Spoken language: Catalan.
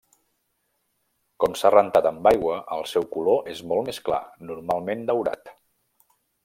Com s'ha rentat amb aigua, el seu color és molt més clar, normalment daurat.